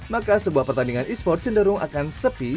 maka sebuah pertandingan esports cenderung akan sepi